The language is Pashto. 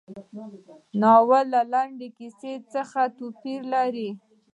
ناول له لنډې کیسې څخه څه توپیر لري.